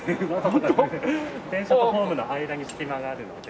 電車とホームの間に隙間があるので。